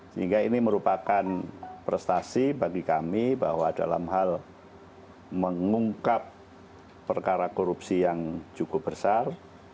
sehingga ini merupakan prestasi bagi kami bahwa dalam hal mengungkap perkara korupsi yang cukup besar